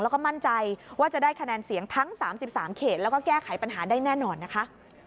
แล้วก็มั่นใจว่าจะได้คะแนนเสียงทั้ง๓๓เขตแล้วก็แก้ไขปัญหาได้แน่นอนนะคะ